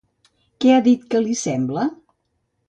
Què ha dit que li sembla?